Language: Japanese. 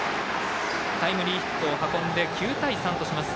タイムリーヒットを運んで９対３とします。